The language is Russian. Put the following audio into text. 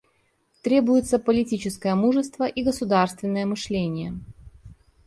Требуется политическое мужество и государственное мышление.